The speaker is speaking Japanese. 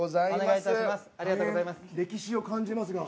歴史を感じますが。